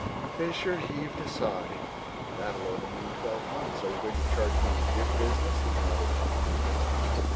Fisher heaved a sigh. "That'll only mean twelve months. Are you going to charge me with this business?" he nodded to the paper.